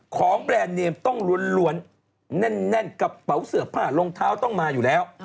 แบรนด์เนมต้องล้วนแน่นกระเป๋าเสื้อผ้ารองเท้าต้องมาอยู่แล้ว